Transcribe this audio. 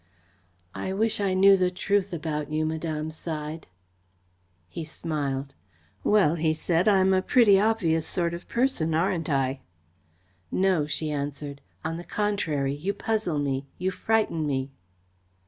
"I wish I knew the truth about you," Madame sighed. He smiled. "Well," he said, "I'm a pretty obvious sort of person, aren't I?" "No," she answered. "On the contrary, you puzzle me, you frighten me."